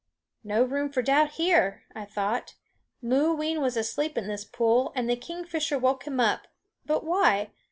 "No room for doubt here," I thought; "Mooween was asleep in this pool, and the kingfisher woke him up but why?